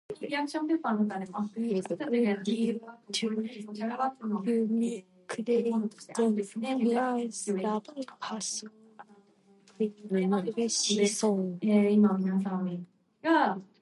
He acudiu a tu perque me creigo que es la persona que preciso.